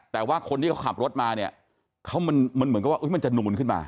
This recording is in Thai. แต่ว่าคนที่เขาขับรถมาเนี่ยเขามันเหมือนกับว่ามันจะนูนขึ้นมา